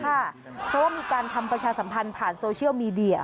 เพราะว่ามีการทำประชาสัมพันธ์ผ่านโซเชียลมีเดีย